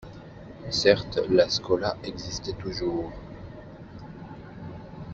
Certes, la schola existait toujours.